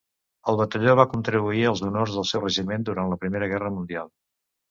El batalló va contribuir als honors del seu regiment durant la Primera Guerra Mundial.